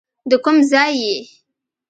د کوم ځای یې.